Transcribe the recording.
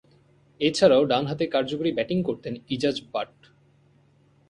এছাড়াও, ডানহাতে কার্যকরী ব্যাটিং করতেন ইজাজ বাট।